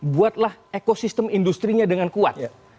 buatlah ekosistem industri nya dengan kuat